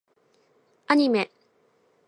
アニメ